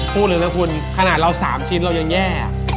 พูดเลยนะคุณขนาดเรา๓ชิ้นเรายังแย่